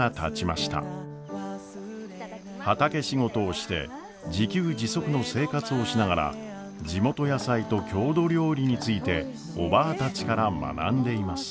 畑仕事をして自給自足の生活をしながら地元野菜と郷土料理についておばぁたちから学んでいます。